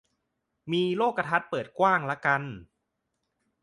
มีโลกทัศน์เปิดกว้างละกัน